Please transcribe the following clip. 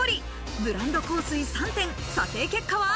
ブランド香水３点、査定結果は。